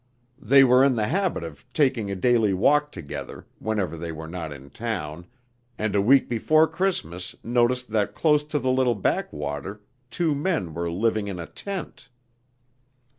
They were in the habit of taking a daily walk together, whenever they were not in town, and a week before Christmas noticed that close to the little backwater two men were living in a tent.